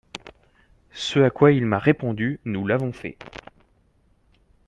Ce à quoi il m’a répondu, nous l’avons fait.